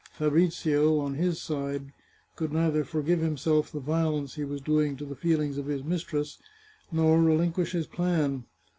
Fabrizio, on his side, could neither forgive himself the violence he was doing to the feelings of his mistress, nor relinquish his plan.